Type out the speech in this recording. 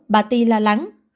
bà ti lo lắng